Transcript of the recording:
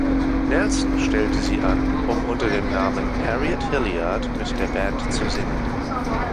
Nelson stellte sie an, um unter dem Namen Harriet Hilliard mit der Band zu singen.